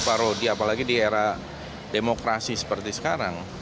apalagi di era demokrasi seperti sekarang